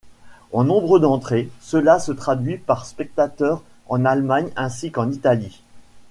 En nombre d'entrées, cela se traduit par spectateurs en Allemagne ainsi qu'en Italie.